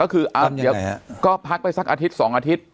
ก็พักไปซักอาทิตย์๒อาทิตย์